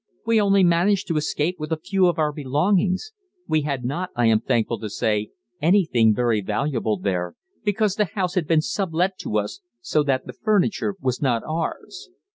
We only just managed to escape with a few of our belongings; we had not, I am thankful to say, anything very valuable there, because the house had been sub let to us, so that the furniture was not ours."